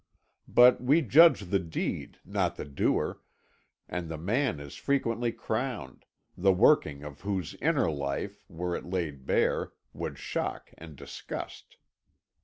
But we judge the deed, not the doer, and the man is frequently crowned, the working of whose inner life, were it laid bare, would shock and disgust.